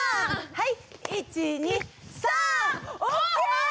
はい！